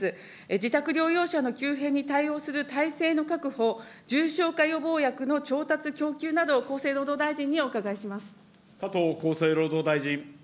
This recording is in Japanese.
自宅療養者に対応する体制の確保、重症化予防薬の調達、供給など、厚生労働大臣にお伺いします。